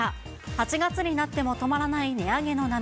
８月になっても止まらない値上げの波。